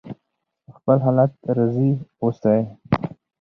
په خپل حالت راضي اوسئ.